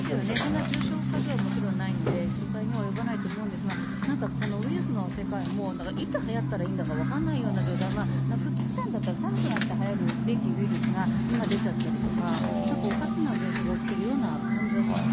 そんな重症化じゃないので、心配には及ばないと思うんですが、なんかこのウイルスの世界も、いつはやったら分かんないような状態、ふだんだったら寒くなってはやるべきウイルスが今、出ちゃったりとか、なんかおかしな現象が起きてるような感じはします。